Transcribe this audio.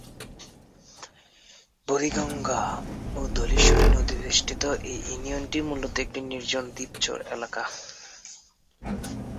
বুড়িগঙ্গা ও ধলেশ্বরী নদী বেষ্টিত এই ইউনিয়নটি মূলত একটি নির্জন দ্বীপ-চর এলাকা।